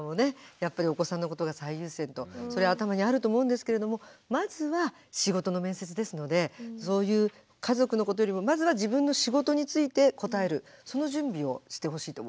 やっぱりお子さんのことが最優先とそれは頭にあると思うんですけれどもまずは仕事の面接ですのでそういう家族のことよりもまずは自分の仕事について答えるその準備をしてほしいと思います。